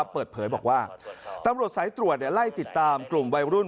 เปิดเผยบอกว่าตำรวจสายตรวจไล่ติดตามกลุ่มวัยรุ่น